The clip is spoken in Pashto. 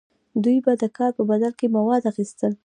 دوی به د کار په بدل کې مواد اخیستل.